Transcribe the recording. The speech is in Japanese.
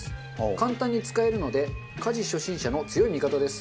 簡単に使えるので家事初心者の強い味方です。